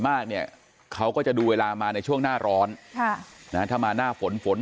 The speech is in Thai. มากเนี่ยเขาก็จะดูเวลามาในช่วงหน้าร้อนถ้ามาหน้าฝนฝน